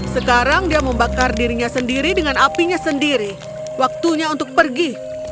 sekarang dia membakar dirinya sendiri dengan apinya sendiri waktunya untuk pergi